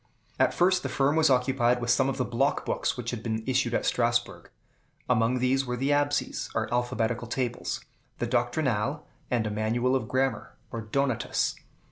At first the firm was occupied with some of the block books which had been issued at Strasbourg. Among these were the "Absies," or alphabetical tables, the "Doctrinale," and a manual of grammar, or "Donatus."